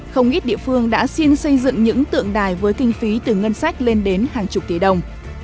không ít địa phương đã xin xây dựng những tượng đài với kinh phí từ ngân sách lên đến hàng chục tỷ đồng